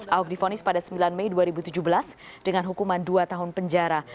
ahok difonis pada sembilan mei dua ribu tujuh belas dengan hukuman dua tahun penjara